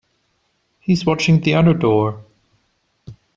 He's watching the other door.